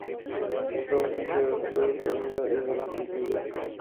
Está ausente del sur de Florida y de las Antillas.